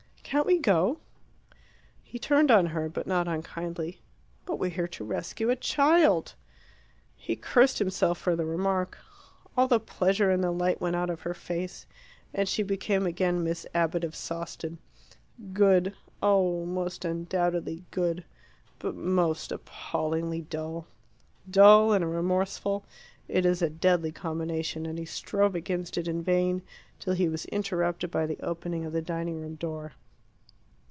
"Can't we go?" He turned on her, but not unkindly. "But we're here to rescue a child!" He cursed himself for the remark. All the pleasure and the light went out of her face, and she became again Miss Abbott of Sawston good, oh, most undoubtedly good, but most appallingly dull. Dull and remorseful: it is a deadly combination, and he strove against it in vain till he was interrupted by the opening of the dining room door.